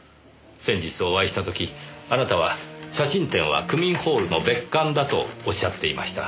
先日お会いした時あなたは写真展は区民ホールの別館だとおっしゃっていました。